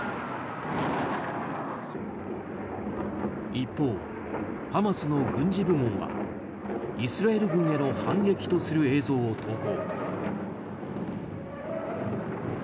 一方、ハマスの軍事部門はイスラエル軍への反撃とする映像を投稿。